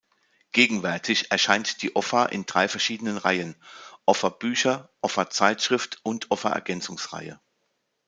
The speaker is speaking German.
Gegenwärtig erscheint die Offa in drei verschiedenen Reihen: "Offa-Bücher, Offa-Zeitschrift" und "Offa-Ergänzungsreihe".